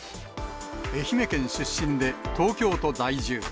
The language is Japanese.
愛媛県出身で、東京都在住。